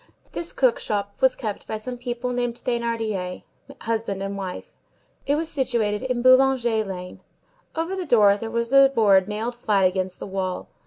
This cook shop was kept by some people named Thénardier, husband and wife. It was situated in Boulanger Lane. Over the door there was a board nailed flat against the wall.